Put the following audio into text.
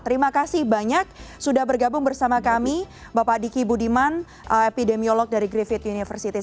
terima kasih banyak sudah bergabung bersama kami bapak diki budiman epidemiolog dari griffith university